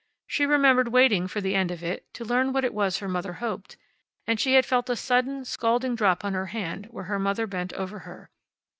She remembered waiting for the end of it, to learn what it was her mother hoped. And she had felt a sudden, scalding drop on her hand where her mother bent over her.